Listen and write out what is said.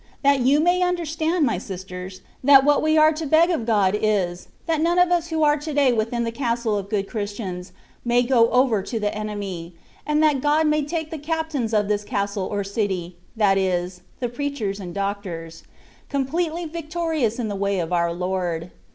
That you may understand, my sisters, that what we are to beg of God is, that none of us who are to day within the castle of good Christians, may go over to the enemy, and that God may make the Cap tains of this castle or city (that is, the preachers and doctors), completely victorious in the way of our Lord.